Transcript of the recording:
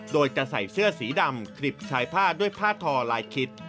โดยจะใส่เสื้อสีดำกลิบชายผ้าด้วยผ้าทอลายคิด